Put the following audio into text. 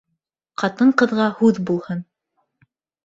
Ҡатын-ҡыҙға һүҙ булһын.